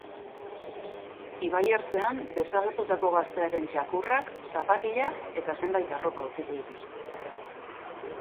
Ibaiertzean desagertutako gaztearen txakurrak, zapatilak eta zenbait arropa aurkitu dituzte.